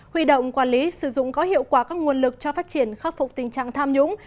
huy động quản lý sử dụng có hiệu quả các nguồn lực cho phát triển khắc phục tình trạng tham nhũng